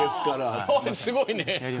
すごいね。